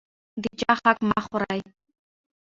د چا حق مه خورئ.